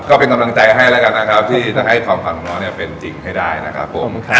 ก็เป็นกำลังใจให้แล้วกันนะครับที่จะให้ความฝันของน้องเนี่ยเป็นจริงให้ได้นะครับผม